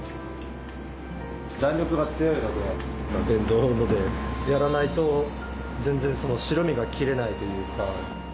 弾力が強いので電動のでやらないと全然白身が切れないというか。